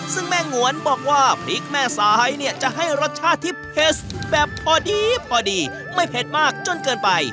ซึ่งแม่งวนบอกว่าพริกแม่สายเนี่ยจะให้รสชาติที่เผ็ดแบบพอดีพอดีไม่เผ็ดมากจนเกินไป